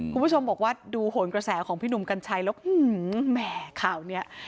คุณผู้ชมบอกว่าดูโหนกระแสของพี่หนุ่มกัญชัยแล้วแหมข่าวนี้